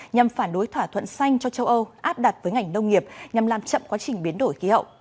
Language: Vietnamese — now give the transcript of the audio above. nhằm phản đối thỏa thuận xanh cho châu âu áp đặt với ngành nông nghiệp nhằm làm chậm quá trình biến đổi khí hậu